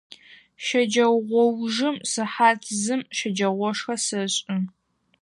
Щэджэгъоужым сыхьат зым щэджагъошхэ сэшӏы.